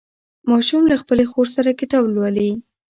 ماشوم له خپلې خور سره کتاب لولي